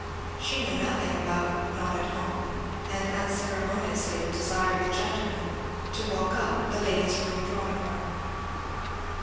She knew nothing about "not at home," and unceremoniously desired the gentleman to "walk up," "the ladies were in the drawing room."